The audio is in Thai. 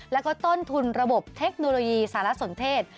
แล้วก็ต้นทุนระบบเทคโนโลยีสารสนเทศ